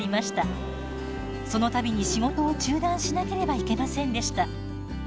その度に仕事を中断しなければいけませんでした。